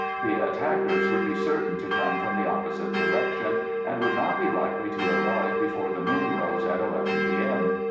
The attackers would be certain to come from the opposite direction, and would not be likely to arrive before the moon rose at 11 P.M.